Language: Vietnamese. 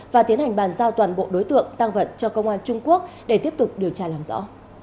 và tiến hành bàn giao toàn bộ đối tượng tăng vận cho công an trung quốc để tiếp tục điều tra làm rõ